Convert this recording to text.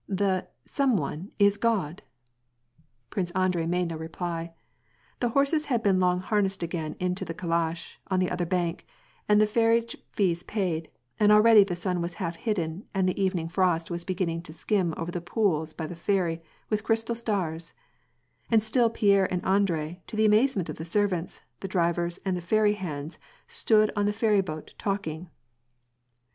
The, some one, is God." Prince Andrei made no reply. The horses had been long harnessed again into the calash on the other bank, and the fer riage fees paid, and already the sun was half hidden and the evening frost was beginning to skim over the pools by the ferry with crystal stars, and still Pierre and Andrei, to the amazement of the servants, the drivers, and the ferry hands, stood on the ferry boat talking.